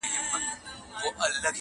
د جرگې ټولو ښاغلو موږكانو!.